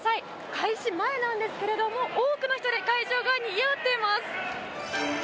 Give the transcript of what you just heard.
開始前なんですけれども多くの人で会場がにぎわっています。